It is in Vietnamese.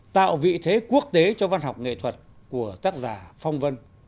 tạo vị thế quốc tế cho văn học nghệ thuật của tác giả phong vân